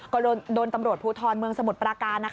ก็โดนตำรวจภูทรเมืองสมุทรปราการ